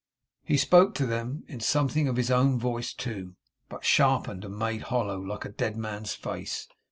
He spoke to them in something of his own voice too, but sharpened and made hollow, like a dead man's face.